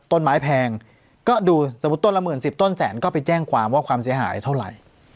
แพงก็ดูสมมุติต้นละหมื่นสิบต้นแสนก็ไปแจ้งความว่าความเสียหายเท่าไหร่